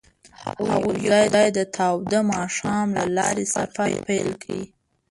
هغوی یوځای د تاوده ماښام له لارې سفر پیل کړ.